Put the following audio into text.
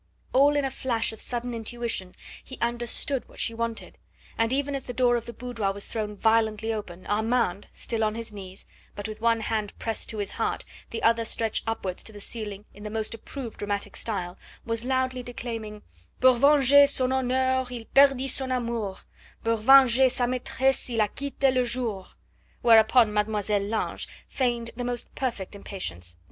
All in a flash of sudden intuition he understood what she wanted, and even as the door of the boudoir was thrown violently open Armand still on his knees, but with one hand pressed to his heart, the other stretched upwards to the ceiling in the most approved dramatic style, was loudly declaiming: "Pour venger son honneur il perdit son amour, Pour venger sa maitresse il a quitte le jour!" Whereupon Mademoiselle Lange feigned the most perfect impatience.